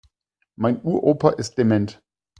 Mein Uropa ist dement.